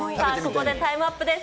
ここでタイムアップです。